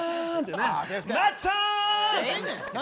なっちゃん！